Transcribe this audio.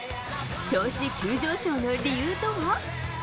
調子急上昇の理由とは。